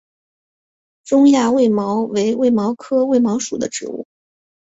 中亚卫矛为卫矛科卫矛属的植物。